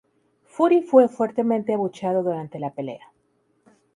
Fury fue fuertemente abucheado durante la pelea.